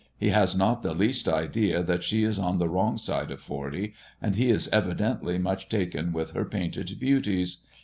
he has not the least idea that she is on the wrong side of forty, and he is evidently much taken with her painted beauties.